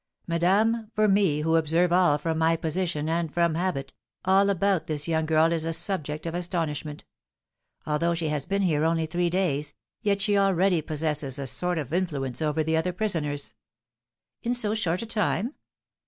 "Madame, for me, who observe all from my position, and from habit, all about this young girl is a subject of astonishment. Although she has been here only three days, yet she already possesses a sort of influence over the other prisoners." "In so short a time?"